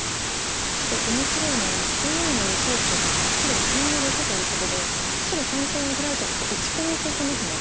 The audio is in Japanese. ちょっと面白いのはＡＩの予想手が黒３の六ということで白三間にヒラいてるところ打ち込みって言ってますね。